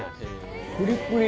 プリプリ！